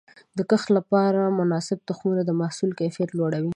د کښت لپاره مناسب تخمونه د محصول کیفیت لوړوي.